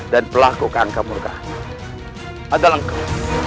dan pelaku keangka murkaan adalah engkau